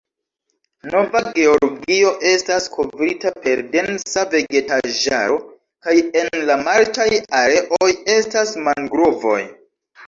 Nova Georgio estas kovrita per densa vegetaĵaro, kaj en la marĉaj areoj estas mangrovoj.